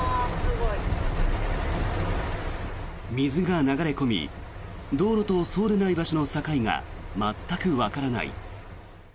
水が流れ込み道路とそうでない場所の境が全くわからない。